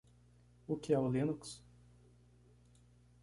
O que é o Linux?